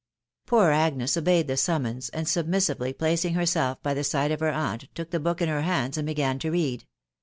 Poor Agnes obeyed the summons, and submissively placing herself by the side of her aunt, took the btok in her hands and began to read.